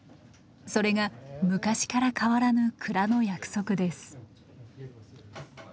それが昔から変わらぬ蔵の約束です。